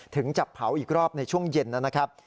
ถึงจะเผาอีกรอบในช่วงเย็นนะครับ